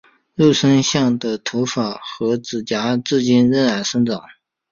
肉身像的头发和指甲至今仍在生长。